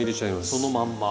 そのまんま。